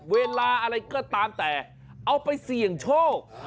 เวลาอะไรก็ตามแต่เอาไปเสี่ยงโชค